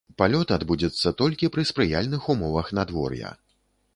Палёт адбудзецца толькі пры спрыяльных умовах надвор'я.